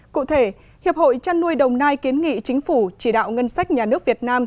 cụ thể hiệp hội chăn nuôi đồng nai kiến nghị chính phủ chỉ đạo ngân sách nhà nước việt nam